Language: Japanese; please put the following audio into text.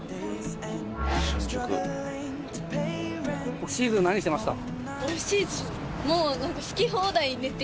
オフシーズン何してました？